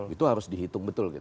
itu harus dihitung betul